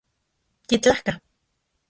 Yitlajka